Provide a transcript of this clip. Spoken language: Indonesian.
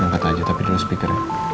angkat aja tapi dulu speaker ya